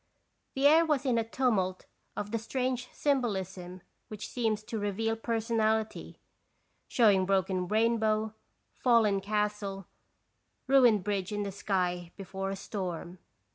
The air was in a tumult of the strange symbolism which seems to reveal personality, showing broken rainbow, fallen castle, ruined bridge in the sky before a storm.